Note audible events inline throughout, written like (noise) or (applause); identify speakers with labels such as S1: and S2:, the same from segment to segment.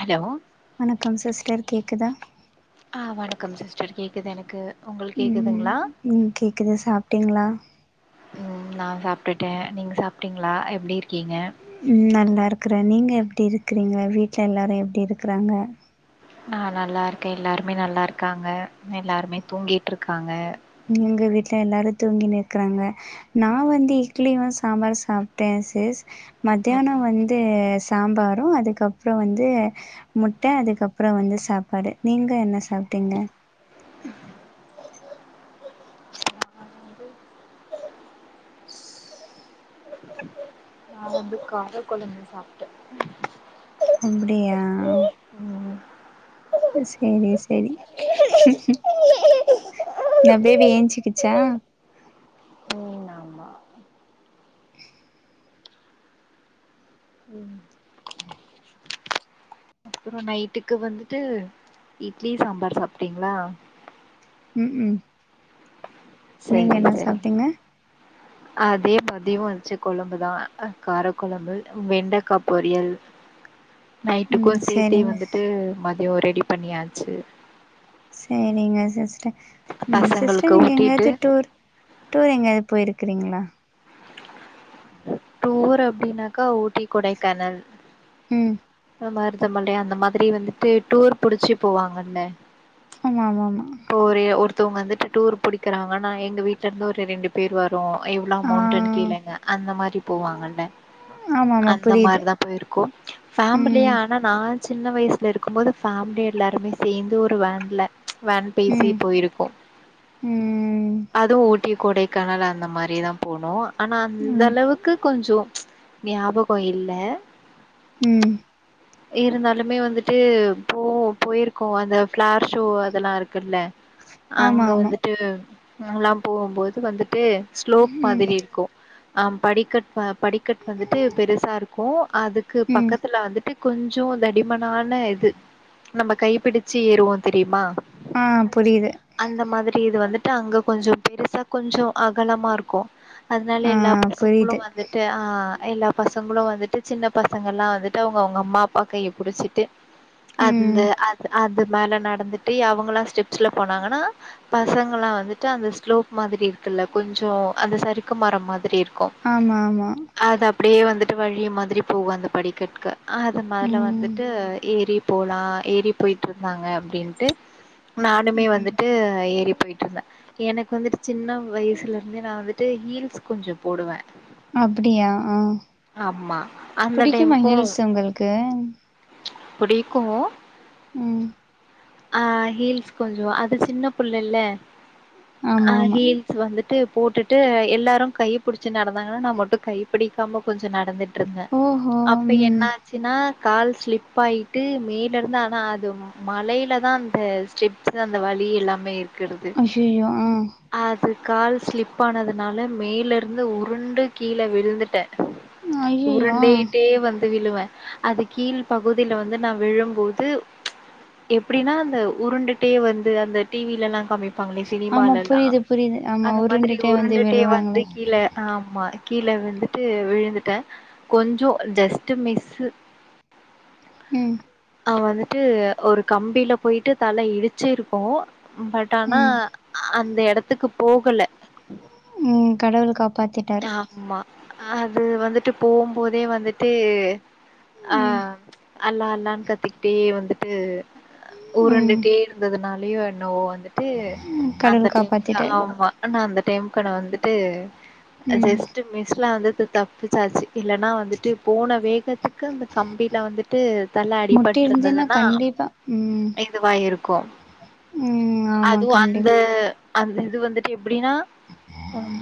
S1: hello
S2: வணக்கம் sister கேக்குதா
S1: ஆ வணக்கம் சிஸ்டர் கேக்குது எனக்கு உங்குளுக்
S2: ம்
S1: கேக்குதுங்ளா
S2: ம் கேக்குது சாப்ட்டீங்ளா
S1: ம் நான் சாப்டுட்டே நீங்க சாப்ட்டீங்ளா எப்டி இருக்கீங்க
S2: ம் நல்லா இருக்குற நீங்க எப்டி இருக்குறீங்க வீட்ல எல்லாரு எப்டி இருக்குறாங்க
S1: நா நல்லா இருக்கேன் எல்லாருமே நல்லா இருக்காங்க எல்லாருமே தூங்கிட்டிருக்காங்க
S2: எங்க வீட்ல எல்லாரு தூங்கின் இருக்குறாங்க நான் வந்து இட்லியு சாம்பாரு சாப்ட்டேன் சிஸ் மத்தியானோ
S1: ம்
S2: வந் து சாம்பாரூ அதுக்கப்றோ வந்து முட்ட அதுக்கப்றோ வந்து சாப்பாடு நீங்க என்ன சாப்ட்டீங்க
S1: நான் வந்து கார கொழம்பு சாப்ட்ட
S2: அப்டியா
S1: ம்
S2: அ சேரிஸ் சேரி என்ன பேபி ஏஞ்சுக்கிச்சா
S1: ம் ஆமா ம் அப்புறோ நைட்டுக்கு வந்துட்டு இட்லி சாம்பார் சாப்ட்டீங்ளா
S2: ம் ம் நீங்க
S1: சேரி
S2: என்ன
S1: சேரி
S2: சாப்ட்டீங்க
S1: அதே மதியோ வச்ச கொழம்புதா கார கொழம்பு வெண்டக்கா பொரியல் நைட்டுக்கு
S2: ம்
S1: சேத்தே
S2: சேரிங்க
S1: வந்துட்டு மதியோ ரெடி பண்ணியாச்சு
S2: சேரிங்க சிஸ்டர் ம்
S1: பசங்களுக்கு
S2: சிஸ்டர் நீங்க
S1: ஊட்டிட்டு
S2: எங்யாச்சு டூர் டூர் எங்கயாது போயிருக்குறீங்ளா
S1: டூர் அப்டினாக்கா ஊட்டி கொடைக்கானல்
S2: ம்
S1: மருதமலை அந்த மாதிரி வந்துட்டு டூர் புடிச்சு போவாங்கல்ல
S2: ஆமா ஆமா ஆமா
S1: டூரு ஒர் தவ்ங்க வந்துட்டு டூர் புடிக்குறாங்கனா எங்க வீட்ல இருந்து ஒரு ரெண்டு பேர் வரு எவ்ளோ
S2: ஆ
S1: அமோண்ட்டுன் கேளுங்க அந்த மாரி போவாங்கல்ல
S2: ஆமா ஆமா
S1: அந்த
S2: புரியுது
S1: மாரிதா போயிருக்கோ ஃபேமிலியா
S2: ம்
S1: ஆனா நா சின்ன வய்ஸ்ல இருக்கும்போது ஃபேமிலி எல்லாருமே சேந்து ஒரு வேன்ல வேன் பேசி
S2: ம்
S1: போயிருக்கோ
S2: ம்
S1: அதூ ஊட்டி கொடை கானல் அந்த மாரிதா போனோ ஆனா அந்த இது
S2: ம்
S1: ஞாபகோ இல்ல
S2: ம்
S1: (inaudible) இருந்தாலுமே வந்துட்டு போ போயிருக்கோ அந்த ஃப்ளார் ஷோ அதெல்லா இருக்குல்ல
S2: ஆமா
S1: அங்க
S2: ஆமா
S1: வந்துட்டு எல்லா போம்போது வந்துட்டு ஸ்லோப்
S2: ம்
S1: மாதிரி இருக்கு ஆ படிக்கட் அ படிக்கட் வந்துட்டு பெருசா இருக்கு அதுக்கு
S2: ம்
S1: பக்கத்துல வந்துட்டு கொஞ்சோ தடிமனான இது நம்ம கைப்பிடிச்சு ஏறுவோ தெரிமா
S2: ஆ புரிது
S1: அந்த மாதிரி இது வந்துட்டு அங்க கொஞ்சோ பெருசா கொஞ்சோ அகலமா இருக்கு அதனா
S2: ஆ
S1: எல்லா பசங்களு
S2: புரியுது
S1: வந்துட்டு ஆ எல்லா பசங்களு வந்துட்டு சின்ன பசங்கள்லா வந்துட்டு அவங்க அவங்க அம்மா அப்பா கைய புடிச்சிட்டு அந்த
S2: ம்
S1: அ அது மேல நடந்துட்டு அவங்கலா ஸ்டெப்ஸ்ல போனாங்கன்னா பசங்கலா வந்துட்டு அந்த ஸ்லோப் மாரி இருக்குல்ல கொஞ்சோ அந்த சறுக்கு மரோ மாதிரி இருக்கு
S2: ஆமா ஆமா
S1: அது அப்டே வந்துட்டு வழி மாதிரி போகு அந்த படிக்கட்க்கு அது மார்ல
S2: ம்
S1: வந்துட்டு ஏறி போலா ஏறி போயிட்ருந்தாங்க அப்டின்ட்டு நானுமே
S2: ம்
S1: வந்துட்டு ஏறி போயட்ருந்த எனக்கு வந்துட்டு சின்ன வயசுலருந்தே நா வந்துட்டு ஹீல்ஸ் கொஞ்சோ போடுவ
S2: அப்டியா ஆ
S1: அந்த
S2: பிடிக்குமா ஹீல்ஸ் உங்களுக்கு
S1: புடிக்கோ
S2: ம்
S1: ஆ ஹீல்ஸ் கொஞ்சோ அது சின்ன புள்ள இல்ல அ
S2: ஆமா ஆமா
S1: ஹீல் வந்துட்டு போட்டுட்டு எல்லாரு கைபுடிச்சு நடந்தாங்கன்னா நா மட்டு கைப்பிடிக்காம கொஞ்சோ நடந்துட் இருந்த
S2: ஓஹோ
S1: அப்ப என்ன
S2: ம்
S1: ஆச்சுன்னா கால் ஸ்லிப் ஆய்ட்டு மேல இருந்து ஆனா அது மலையில தா அந்த ஸ்டெப்ஸ் அந்த வழி எல்லாமே இருக்குறது
S2: அய்யய்யோ ஆ
S1: அது கால் ஸ்லிப் ஆனதுனால மேலருந்து உருண்டு கீழ விழுந்துட்ட
S2: ஐயையோ ஆ
S1: உருண்டேடே வந்து விழுவ அது கீழ் பகுதியில வந்து நா விழும்போது எப்டின்னா அந்த உருண்டுட்டே வந்து அந்த டிவிலல்லா காமிப் ப்பாங்களே
S2: ஆமா
S1: சினிமாலல்லா
S2: புரியுது புரியுது ஆமா
S1: அந்த மாரி
S2: வந்து
S1: உருண்டுட்டே
S2: விழுவாங்கள
S1: வந்து கீழ ஆமா கீழ வந்துட்டு விழுந்துட்ட கொஞ்சோ ஜஸ்ட் மிஸ்சு
S2: ம்
S1: அ வந்துட்டு ஒரு கம்பியில போய்ட்டு தல இடிச்சிருக்கு பட் டானா
S2: ம்
S1: அந்த எடத்துக்கு போகல
S2: ம் கடவுள் காப்பாத்திட்டாரு
S1: ஆமா அது வந்துட்டு போம் போதே வந்துட்டு அ
S2: ம்
S1: அல்லா அல்லான்னு கத்திக்கிட்டே வந்துட்டு
S2: ம்
S1: ஊருண்டுட்டே இருந்ததுனாலயு என்னவோ வந்துட்டு அந்த
S2: கடவுள்
S1: டைமுக்கு
S2: காப்பாத்திட்டாரு
S1: ஆமா ஆனா அந்த டைமுக்கு நா வந்துட்டு
S2: ம்
S1: ஜஸ்ட் மிஸ்ல வந்துட்டு தப்பிச்சாச்சு இல்லன்னா வந்துட்டு போன வேகத்துக்கு அந்த கம்பில வந்து விட்டு தல
S2: முட்டி
S1: அடிபட்டு
S2: இருந்துச்சுன்னா
S1: இருந்ததுன்னா
S2: கண்டிப்பா ம்
S1: இதுவாய்ருக்கு
S2: ம் ஆமா
S1: அதுவு அந்த
S2: கண்டிப்பா
S1: அந்த இது வந்துட்டு எப்டின்னா ம்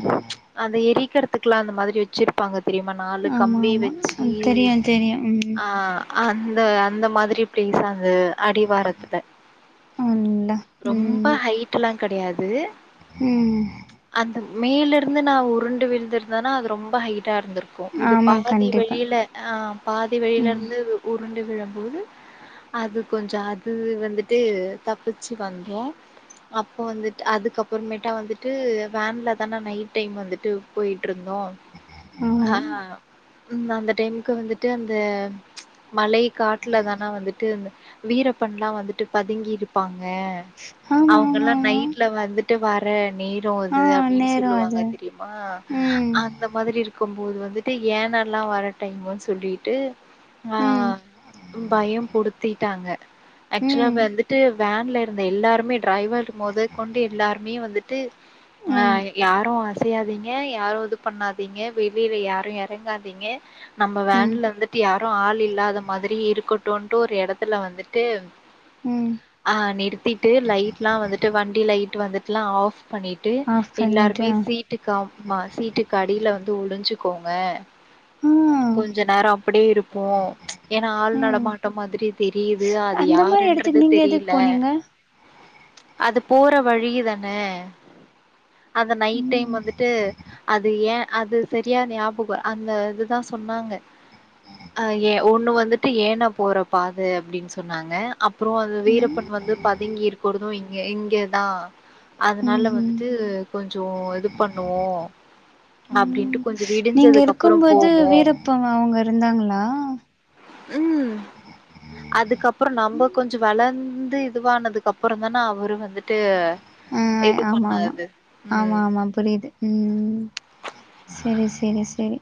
S1: அந்த எரிக்கிறதுக்குலா அந்த மாதிரி வச்சிருப்பாங்க தெரிமா நாலு
S2: ஆமா
S1: கம்பி
S2: ஆமா
S1: வச்சு
S2: தெரியு தெரியு ம்
S1: ஆ அந்த அந்த மாதிரி (unintelligible) அங்க அடிவாரத்ல
S2: அல்லா
S1: ரொம்ப
S2: ம்
S1: ஹைட்ல்லா கெடையாது
S2: ம்
S1: அந்த மேல இருக் ந்து நா உருண்டு விழுந்துருந்தனா அது ரொம்ப ஹைட்டா இருந்திருக் இது
S2: ஆமா
S1: பாதி
S2: கண்டிப்பா
S1: வழியில ஆ பாதி வழியில
S2: ம்
S1: இருந்து உருண்டு விழம்போது அது கொஞ்ச அது வந்துட்டு தப்பிச்சு வந்தோ அப்போ வந்துட்டு அதுக்கப்பறமேட்டா வந்துட்டு வேன்ல தான நைட் டைம் வந்துட்டு போயிட்டு இருந்தோ ஆ
S2: ஆமா
S1: ம் அந்த டைமுக்கு வந்துட்டு அந்த மலை காட்ல தானா வந்துட்டு வீரப்பன்ல்லா வந்துட்டு பதுங்கி இருப்பாங்க
S2: ஆமா ஆமா
S1: அவுங்கல்லா
S2: ஆமா
S1: நைட்ல வந்துட்டு வர்ற நேரோ
S2: ஆ
S1: இது அப்டின்னு
S2: நேரோ
S1: சொல்லுவாங்க
S2: அது
S1: தெரியுமா
S2: ம்
S1: அந் த மாதிரி இருக்கும் போது வந்துட்டு யானைல்லா வர்ற டைமுன்னு சொல்லிட்டு ஆ
S2: ம்
S1: பயம் புடுத்திட்டாங்க ஆக்சுவலா
S2: ம்
S1: வந்துட்டு வேன்ல இருந்த எல்லாருமே டிரைவர் மொத கொண்டு எல்லாருமே வந்துட்டு ஆ
S2: ம்
S1: யாரு அசை யாதீங்க யாரு இது பண்ணாதீங்க வெளில யாரு எறங்காதீங்க நம்ம
S2: ம்
S1: வேன்ல இருந்து யாரு ஆள் இல்லாத மாதிரி இருக்கட்டுன்ட்டு ஒரு எடத்துல வந்துட்டு
S2: ம்
S1: ஆ நிறுத்திட்டு லைட்ல்லா வந்துட்டு வண்டி லைட் வந்துட்டுல்லா ஆஃப் பண்ணி ட்டு
S2: ஆஃப் பண்ணிட்டு
S1: எல்லாருமே சீட்டுக்க சீட்டுக்கு அடில வந்து ஒழிஞ்சிக்கோங்க (inaudible)
S2: ம்
S1: கொஞ்ச நேரோ அப்டியே இருப்போ ஏன்னா ஆள்
S2: ம்
S1: நடமாட்டம் மாதிரி தெரியுது அது யாருன்னு
S2: எடதுக்கு நீங்க எதுக்கு போனீங்க
S1: அது போற வழியிதான அந்த நைட் டைம்
S2: ம்
S1: வந்துட்டு அது ஏ அது சரியா ஞாபகோ அந்த இதுதா சொன்னாங்க ஆ ஏ ஒண்ணு வந்துட்டு ஏன போற பாதை அப்டின்னு சொன்னாங்க அப்பறோ அது வீரப்பன் வந்து பதுங்கி இருக்கிறது இங்க இங்கதா அதுனால
S2: ம்ஹும்
S1: வந்துட்டு கொஞ்சோ இது பண்ணுவோ அப்டின்ட்டு
S2: ம்
S1: கொஞ்சோ
S2: நீங்க
S1: விடிஞ்சதுக்கு அப்பறோ
S2: இருக்கும்போது
S1: போவோ
S2: வீரப்ப அவுங்க இருந்தாங்களா
S1: ம் அதுக்கப்பறோ நம்ம கொஞ்சோ வளந்து இதுவானதுக்கு அப்பறந்தான அவரு வந்துட்டு
S2: ஆ
S1: இது
S2: ஆமா ஆமா
S1: பண்ணாது
S2: ஆமா
S1: ம்
S2: ஆமா புரியுது ம் செரி செரி செரி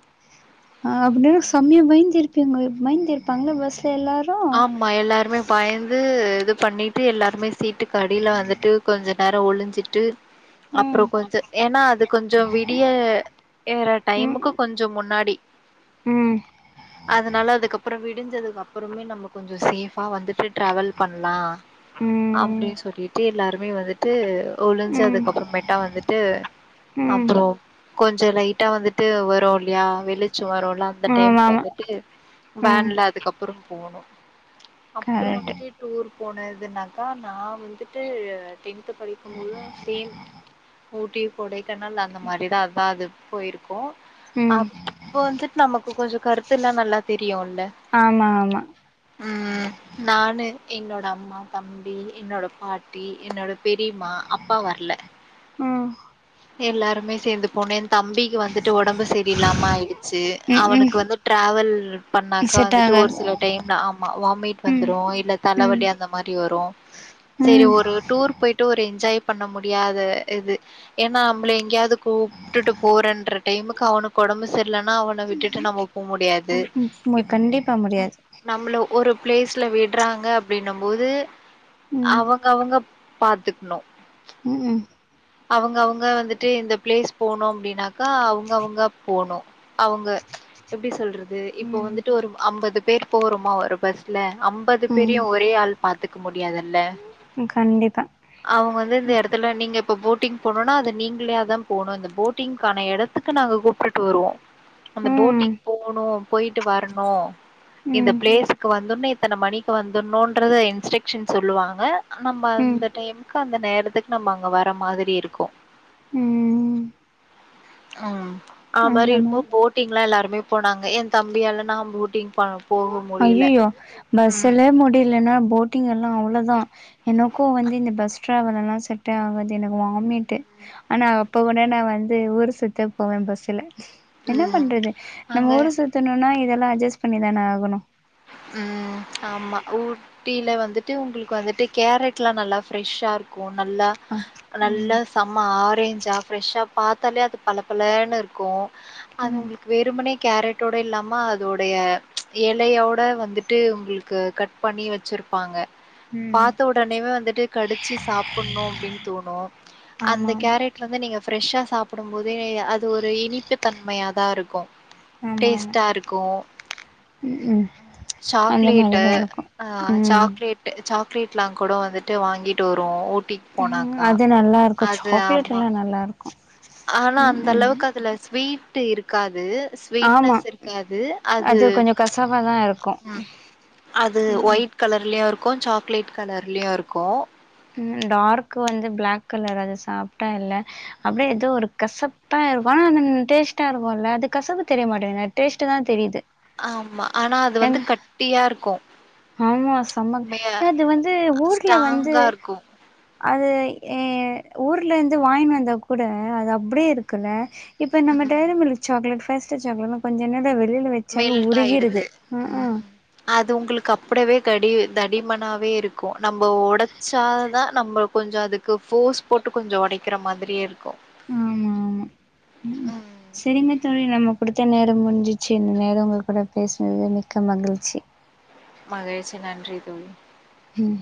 S2: ஆ அப்டின்னா செம்மையா பயந்திருப்பீங்க பயந்திருப்பாங்கல்ல பஸ்ல எல்லாரு
S1: ஆமா எல்லோருமே பயந்து இது பண்ணிட்டு எல்லாருமே சீட்டு கடில வந்துட்டு கொஞ்ச நேரோ ஒழிஞ்சிட்டு அப்றோ
S2: ம்
S1: கொஞ்ச ஏன்னா அது கொஞ்சோ விடிய ஏற டைமுக்கு
S2: ம்
S1: கொஞ்சோ முன்னாடி
S2: ம்
S1: அதனால அதுக்கப்றோ விடிஞ்சதுக்கு அப் எப்பவுமே நம்ம கொஞ்சோ சேஃபா வந்துட்டு ட்ராவல் பண்லா
S2: ம்
S1: அப்டின் சொல்லிட்டு எல்லாருமே வந்துட்டு ஒழிஞ்சு
S2: ம்
S1: அதுக்கப்றமேட்டா வந்துட்டு
S2: ம்
S1: அப்றோ கொஞ்சோ லைட்டா வந்து ட்டு வரு இல்லயா வெளிச்சோ வருல்ல அந்த
S2: ஆமா
S1: டைம்க்கு
S2: ஆமா
S1: வந்துட்டு
S2: ம்
S1: வேன்ல அதுக்கப் ப்றோ போனோ அப்றோ
S2: கரெக்ட்டு
S1: வந்துட்டு டூர் போனதுனாக்கா நா வந்துட்டு டென்த்து படிக்கும்போது சேம் ஊட்டி கொடைக்கானல் அந்த மாரிதா அதா அது போயிருக்கோ
S2: ம்
S1: அப்ப வந்துட்டு நமக்கு கொஞ்சோ கருத்துல்லா நல்லா தெரியுல்ல
S2: ஆமா ஆமா
S1: ம் நானு என்னோட அம்மா நா தம்பி என்னோட பாட்டி என்னோட பெரிமா அப்பா வர்ல
S2: ம்
S1: எல்லாருமே சேந்து போனே தம்பீக்கி வந்துட்டு ஒடம்பு சரியில்லாம ஆயிடு ச்சு
S2: ம்
S1: அவனுக்கு வந்து ட்ராவல் பண்ணாக்கா
S2: செட்
S1: வந்துட்டு ஒரு
S2: ஆகாது
S1: சில டைம்ல ஆமா வாமிட்
S2: ம்
S1: வந்துரு இல்ல
S2: ம்
S1: தலவலி அந்தமாரி வரு செரி
S2: ம்
S1: ஒரு டூர் போயிட்டு ஒரு என்ஜாய் பண்ண முடியாத இது ஏன்னா அம்ளே எங்கயாது கூப் ட்டுட்டு போறன்ற டைமுக்கு அவுனுக்கு ஒடம்பு சரியிலன்னா அவன விட்டுட்டு நம்ம போ முடியாது
S2: ம் கண்டிப்பா முடியாது
S1: நம்ள ஒரு பிளேஸ்ல விட்றாங்க அப்டின்ன போது
S2: ம்
S1: அவங்க அவங்க பாத்துக்ணு
S2: ம்
S1: அவுங்க அவுங்க வந்துட்டு இந்த பிளேஸ் போனு அப்டினாக்கா அவுங்கவுங்க போனு அவுங்க எப்டி சொல்றது இப்ப
S2: ம்
S1: வந்துட்டு ஒரு அம்பது பேர் போறமா ஒரு பஸ்ல அம்பது
S2: ம்
S1: பேரயு ஒரே ஆள் பாத்துக்க முடியாதுல்ல
S2: ம் கண்டிப்பா
S1: அவுங்க வந்து இந்த எடத்துல நீங்க இப்ப போட்டிங் போணுனா அது நீங்களே தா போணு இந்த போட்டிங்க்கான எடத் இதுக்கு நாங்க கூப்ட்டுட்டு வருவோ அந்த
S2: ம்
S1: போட்டிங் போணு போயிட்டு வரணு இந்த
S2: ம்
S1: பிளேஸுக்கு வந்துன்னே இத்தன மணிக்கு வந்துணுன்றத இன்ஸ்ட்ரக்ஷன் சொல்லுவாங்க நம்ம
S2: ம்
S1: அந்த டைமுக்கு அந்த நேரத்துக்கு நம்ம அங்க வர மாதிரி இருக்கு
S2: ம்
S1: ஆம் அ மாரி இருக்குபோது போட்டிங்ல்லா எல்லாருமே போனாங்க ஏ தம்பியால நா போட்டிங் போ போக முடியல
S2: ஐய்யய்யோ
S1: ம்
S2: பஸ்சுல முடியலன்னா போட் போட்டிங் எல்லா அவ்ளோதா எனக்கு வந்து இந்த பஸ் டிரராவல்லா செட்டே ஆகாது எனக்கு வாமிட்டு ஆனா அப்ப உனனா நா வந்து ஊர் சுத்த போவே பஸ்சுல என்னா
S1: ம்
S2: பண்றது
S1: அங்க
S2: நம்ம ஊர் சுத்தணுனா இதெல்லா அட்ஜஸ்ட் பண்ணிதான ஆகணு
S1: ம் ஆமா ஊ டில வந்துட்டு உங்களுக்கு வந்துட்டு கேரட்லா நல்லா ஃப்ரெஷ்சா இருக்கு நல்லா
S2: ஆ ம்
S1: நல்லா செம்ம ஆரேஞ்சா ஃப்ரெஷ்ஷா பாத்தாலே அது பல பலன்னு இர்க்கு அது
S2: ம்
S1: உங்களுக்கு வெறுமனே கேரட்டோட இல்லாம அதோடய எலையோ ட் வந்துட்டு உங்களுக்கு கட் பண்ணி வெச்சிர் ப்பாங்க
S2: ம்
S1: பாத்த ஒடனேவே வந்துட்டு கடிச்சு சாப்புணுன்னு அப்டின் தோணு அந்த
S2: ஆமாம்
S1: கேரட் வந்து நீங்க ஃப்ரெஷ்ஷா சாப்புடும் போதே அது ஒரு இனிப்பு தன்மையாதாருக்கு
S2: ஆமா ஆமா ம் அந்த
S1: சாக்லேட்டு
S2: மாரிதா இருக்கு
S1: ஆ
S2: ம்
S1: சாக்லேட்டு் சாக்லேட்லா கூட வந்துட்டு வாங்கிட்டு வருவோ ஊட்டி
S2: ம் அது நல்லாருக்கு சாக்லேட் எல்லா நல்லாருக்
S1: ஆனா அந்த அளவுக்கு அதுல ஸ்வீட்டு இருக்காது
S2: ஆமா
S1: ஸ்விட்னஸ் இருக்காது அது
S2: கொஞ்சோ கசவாதா இருக்கு
S1: ம் அது
S2: ம் ம்
S1: ஒயிட் கலர்லயு இருக்கு சாக்லேட் கலர்லயுருக்கு
S2: டார்க் வந்து ப்ளாக் கலர் அது சாப்டா என்ன அப்டியே ஏதோ ஒரு கசப்பா இருக்கு ஆனா அது டேஸ்ட்டா இருக்குல அது கசப்பு தெரிய மாட்டேங்து டேஸ்ட்டுதா தெரியுது
S1: ஆமா ஆனா அது வந்து
S2: எங்க
S1: கட்டியா இருக்கு
S2: ஆமா சம
S1: மே
S2: அது வந்து ஊர்ல வந்து
S1: ஸ்டாங்கா (inaudible)
S2: அது எ ஊர்ல இருந்து வாங்கினு வந்தா கூட அது அப்டியே இருக்குல இப்ப நம்ம
S1: ம்
S2: டேரிமிக்லட் சாக்லட் பேஸ்ட் சாக்லட் கொஞ்ச நேரோ வெளில வெ ச்ச அ
S1: மெல்ட் ஆயிடுது
S2: உருகிருது ஆ ஆ
S1: ம் அது உங்ளுக்கு அப்படவே கடி தடிமனாவே இருக்கு நம்ப உடைச்சாதா நம்ப கொஞ்சோ அதுக்கு போஃர்ஸ் போட்டு கொஞ்ச ஒடைக்கிற மாதிரியே இருக்கு
S2: ஆமா ஆமா ம்
S1: உம்
S2: சரிங்க தோழி நம்ம குடுத்த நேரம் முடிஞ்சிச்சு இந்த நேரம் உங்க கூட பேசுனது மிக்க மகிழ்ச்சி
S1: மகிழ்ச்சி நன்றி தோழி
S2: உம்